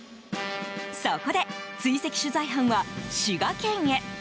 そこで、追跡取材班は滋賀県へ。